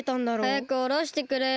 はやくおろしてくれよ。